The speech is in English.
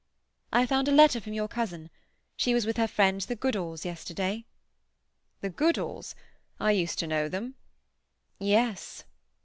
"I found a letter from your cousin. She was with her friends the Goodalls yesterday." "The Goodalls—I used to know them." "Yes."